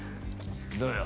どうよ？